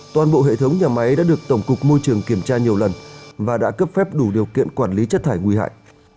toàn bộ hệ thống nhà máy đã được tổng cục môi trường kiểm tra nhiều lần và đã cấp phép đủ điều kiện quản lý chất thải nguy hại